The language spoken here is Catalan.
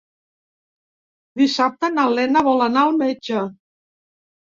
Dissabte na Lena vol anar al metge.